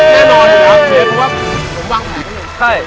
แน่นอนเลยครับเหมือนว่าผมว่างแผ่นก็เลย